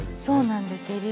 そうなんです。